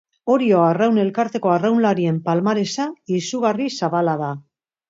Orio Arraun Elkarteko arraunlarien palmaresa izugarri zabala da.